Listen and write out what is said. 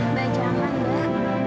mba jangan mba